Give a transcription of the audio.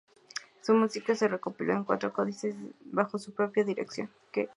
Su música se recopiló en cuatro códices bajo su propia dirección.